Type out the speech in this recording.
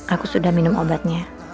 aku sudah minum obatnya